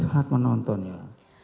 saat menonton ya